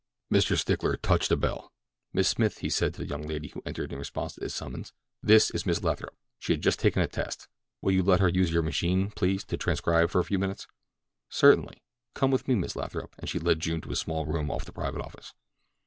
Mr. Stickler touched a bell. "Miss Smith," he said to the young lady who entered in response to his summons, "this is Miss Lathrop. She has just taken a test. Will you let her use your machine, please, to transcribe for a few minutes?" "Certainly. Come with me, Miss Lathrop." And she led June to a small room off the private office.